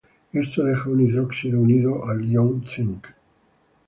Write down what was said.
Esto deja un hidróxido unido al ion cinc.